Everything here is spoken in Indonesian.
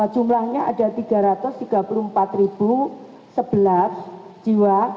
jumlahnya ada tiga ratus tiga puluh empat sebelas jiwa